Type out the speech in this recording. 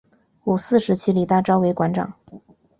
五四时期李大钊为馆长。